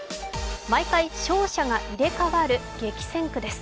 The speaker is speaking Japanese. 毎回勝者が入れ代わる激戦区です。